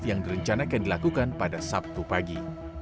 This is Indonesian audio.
yang direncanakan dilakukan pada sabtu pagi